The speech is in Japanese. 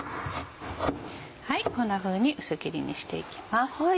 こんなふうに薄切りにしていきます。